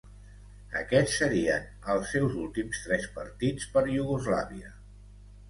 Aquests serien els seus últims tres partits per Iugoslàvia.